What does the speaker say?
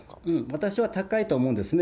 私は高いと思うんですね。